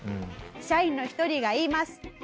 社員の１人が言います。